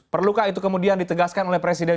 perlukah itu kemudian ditegaskan oleh presiden